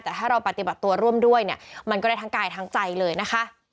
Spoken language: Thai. แต่ถ้าเราปฏิบัติตัวร่วมด้วยเนี่ยมันก็ได้ทั้งกายทั้งใจเลยนะคะ